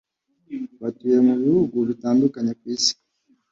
batuye mu bihugu bitandukanye ku isi